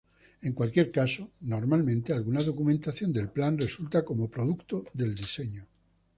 En cualquier caso, normalmente alguna documentación del plan resulta como producto del diseño.